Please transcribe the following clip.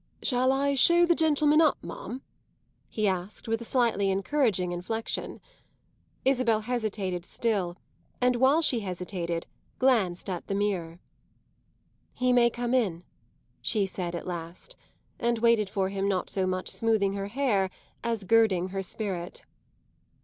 "Shall I show the gentleman up, ma'am?" he asked with a slightly encouraging inflexion. Isabel hesitated still and while she hesitated glanced at the mirror. "He may come in," she said at last; and waited for him not so much smoothing her hair as girding her spirit.